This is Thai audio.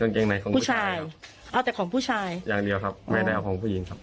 เกงในของผู้ชายเอาแต่ของผู้ชายอย่างเดียวครับไม่ได้เอาของผู้หญิงครับ